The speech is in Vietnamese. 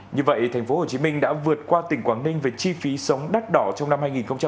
như vậy tp hcm đã vượt qua tỉnh quảng ninh về chi phí sống đắt đỏ trong năm hai nghìn hai mươi